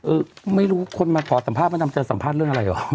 เออไม่รู้คนมาพอสัมภาพมันนำจะสัมภาพเรื่องอะไรหรอ